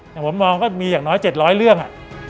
อย่างผมมองก็มีอย่างน้อย๗๐๐เรื่อง